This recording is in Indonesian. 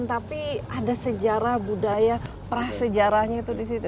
tapi ada sejarah budaya prasejarahnya itu di situ